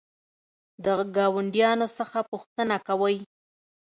د ګاونډیانو څخه پوښتنه کوئ؟